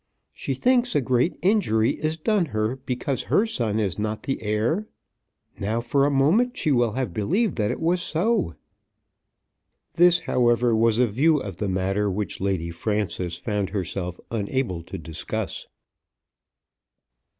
She thinks a great injury is done her because her son is not the heir. Now for a moment she will have believed that it was so." This, however, was a view of the matter which Lady Frances found herself unable to discuss.